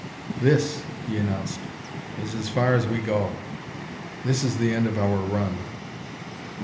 "This," he announced, "is as far as we go. This is the end of our run."